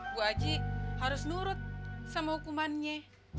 bu aji harus nurut sama hukumannya